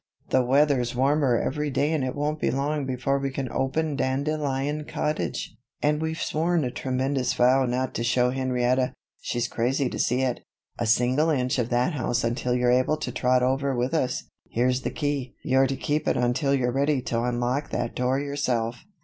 "The weather's warmer every day and it won't be long before we can open Dandelion Cottage. And we've sworn a tremendous vow not to show Henrietta she's crazy to see it a single inch of that house until you're able to trot over with us. Here's the key. You're to keep it until you're ready to unlock that door yourself."